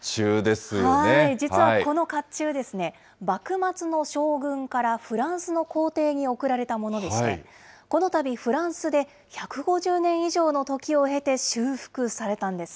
実はこのかっちゅうですね、幕末の将軍からフランスの皇帝に贈られたものでして、このたび、フランスで１５０年以上の時を経て修復されたんです。